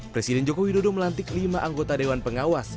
presiden joko widodo melantik lima anggota dewan pengawas